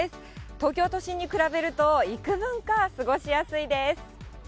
東京都心に比べると、いくぶんか過ごしやすいです。